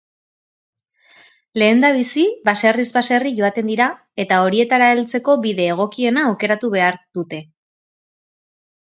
Lehendabizi baserriz baserri joaten dira eta horietara heltzeko bide egokiena aukeratu behar dute.